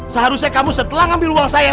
seharusnya kamu setelah ngambil uang saya